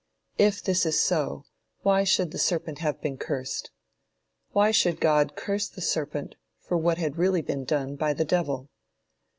If this is so, why should the serpent have been cursed? Why should God curse the serpent for what had really been done by the devil?